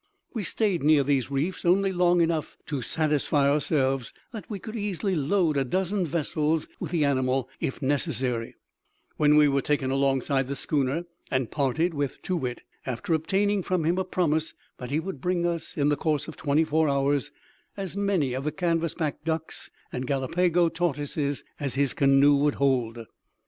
We stayed near these reefs only long enough to satisfy ourselves that we could easily load a dozen vessels with the animal if necessary, when we were taken alongside the schooner, and parted with Too wit, after obtaining from him a promise that he would bring us, in the course of twenty four hours, as many of the canvass back ducks and Gallipago tortoises as his canoes would hold.